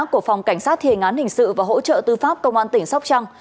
của phòng cảnh sát thề ngán hình sự và hỗ trợ tư pháp công an tỉnh sóc trăng